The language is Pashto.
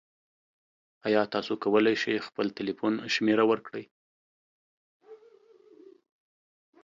ایا تاسو کولی شئ خپل تلیفون شمیره ورکړئ؟